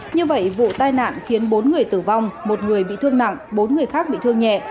như vậy vụ tai nạn khiến bốn người tử vong một người bị thương nặng bốn người khác bị thương nhẹ